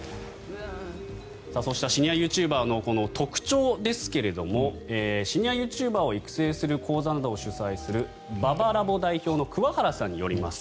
シニアユーチューバーの特徴ですけどシニアユーチューバーを育成する講座などを主催するＢＡＢＡｌａｂ代表の桑原さんによりますと。